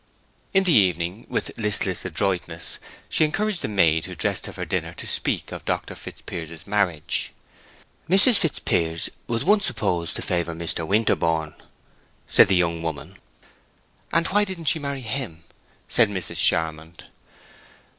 In the evening, with listless adroitness, she encouraged the maid who dressed her for dinner to speak of Dr. Fitzpiers's marriage. "Mrs. Fitzpiers was once supposed to favor Mr. Winterborne," said the young woman. "And why didn't she marry him?" said Mrs. Charmond.